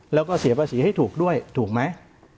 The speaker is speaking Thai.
แล้วก็เสียภาษีให้ถูกด้วยถูกไหม